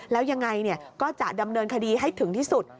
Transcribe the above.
แล้วยังไงก็จะดำเนินคดีให้ถึงที่สุด